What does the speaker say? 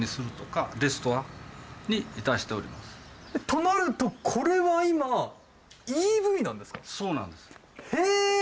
となるとこれは今、ＥＶなんですか？